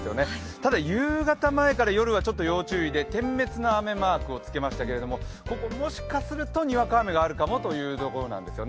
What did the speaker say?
ただ夕方前から夜はちょっと要注意で点滅の雨マークをつけましたけどここ、もしかするとにわか雨が降るかもという予報なんですよね。